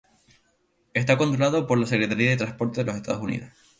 Está controlado por la Secretaría de Transporte de los Estados Unidos.